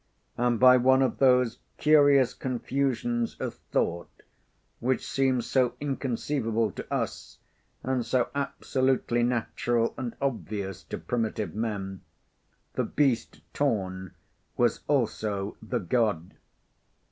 And by one of those curious confusions of thought, which seem so inconceivable to us and so absolutely natural and obvious to primitive men, the beast torn was also the God!